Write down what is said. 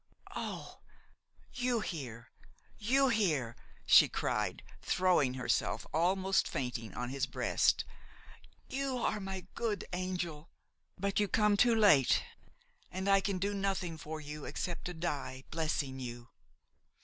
"Oh! you here! you here!", she cried, throwing herself, almost fainting, on his breast. "You are my good angel! But you come too late, and I can do nothing for you except to die blessing you."